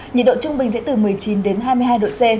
nhiệt độ trung bình sẽ từ một mươi chín đến hai mươi hai độ c